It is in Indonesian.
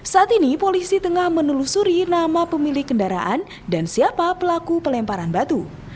saat ini polisi tengah menelusuri nama pemilik kendaraan dan siapa pelaku pelemparan batu